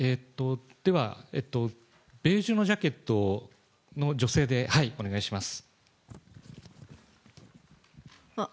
では、ベージュのジャケットの女性で、お願いします。